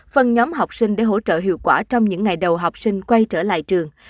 phần nhóm học sinh để hỗ trợ hiệu quả trong những ngày đầu học sinh quay trở lại trường